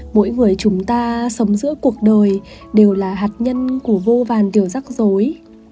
mỗi người chúng ta sống giữa cuộc đời đều là hạt nhân của vô vàn đều rắc rối